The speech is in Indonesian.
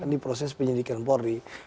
di proses penyelidikan polri